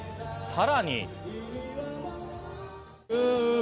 さらに。